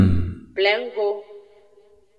Plengo.